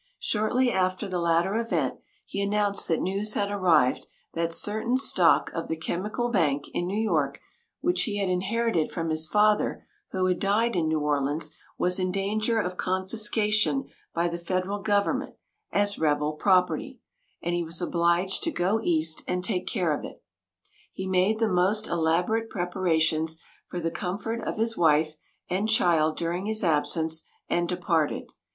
Shortly after the latter event he announced that news had arrived that certain stock of the Chemical Bank, in New York, which he had inherited from his father, who had died in New Orleans, was in danger of confiscation by the federal government as rebel property, and he was obliged to go East and take care of it. He made the most elaborate preparations for the comfort of his wife and child during his absence, and departed.